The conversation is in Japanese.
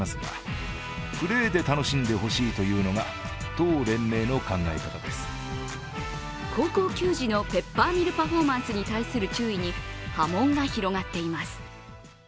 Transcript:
高野連は高校球児のペッパーミルパフォーマンスに対する注意に波紋が広がっています。